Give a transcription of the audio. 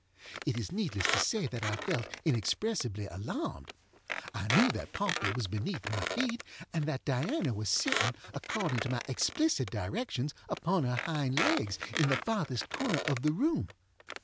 It is needless to say that I felt inexpressibly alarmed. I knew that Pompey was beneath my feet, and that Diana was sitting, according to my explicit directions, upon her hind legs, in the farthest corner of the room.